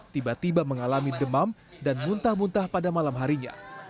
tiba tiba mengalami demam dan muntah muntah pada malam harinya